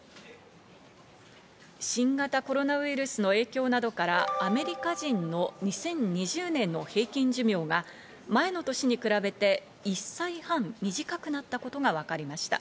新型コロナウイルスの影響などからアメリカ人の２０２０年の平均寿命が前の年に比べて１歳半、短くなったことが分かりました。